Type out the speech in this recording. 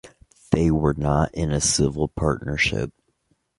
They were not in a civil partnership.